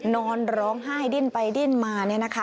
นอนร้องไห้ดิ้นไปดิ้นมา